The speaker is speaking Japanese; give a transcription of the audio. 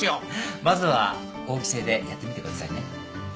まずは合議制でやってみてくださいね。